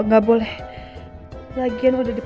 gue minggir dulu deh